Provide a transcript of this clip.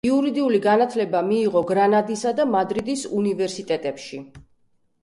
იურიდიული განათლება მიიღო გრანადისა და მადრიდის უნივერსიტეტებში.